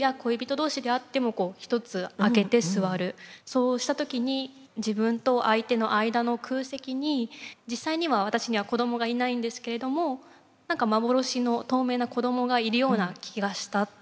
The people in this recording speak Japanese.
そうした時に自分と相手の間の空席に実際には私には子どもがいないんですけれども何か幻の透明な子どもがいるような気がした。